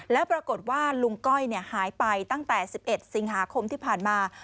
แล้วปรากฏว่าลุงก้อยหายไปตั้งแต่๑๑สิงหาคมที่ผ่านมา